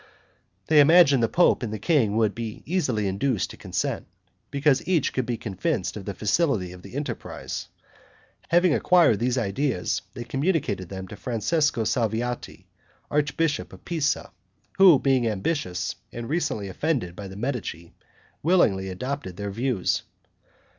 They imagined the pope and the king would be easily induced to consent, because each could be convinced of the facility of the enterprise. Having acquired these ideas, they communicated them to Francesco Salviati, archbishop of Pisa, who, being ambitious and recently offended by the Medici, willingly adopted their views.